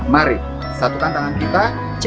mari satukan tangan kita